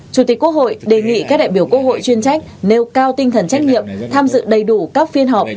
chủ tịch quốc hội đề nghị các đại biểu quốc hội chuyên trách nêu cao tinh thần trách nhiệm tham dự đầy đủ các phiên họp